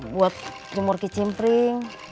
buat jumur kicimpring